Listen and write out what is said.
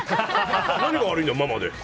何が悪いんだよ、ママで。